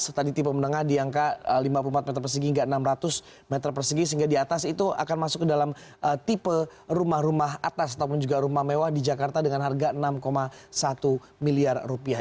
serta di tipe menengah di angka lima puluh empat meter persegi hingga enam ratus meter persegi sehingga di atas itu akan masuk ke dalam tipe rumah rumah atas ataupun juga rumah mewah di jakarta dengan harga enam satu miliar rupiah